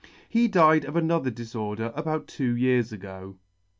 He died of another diforder about two years ago.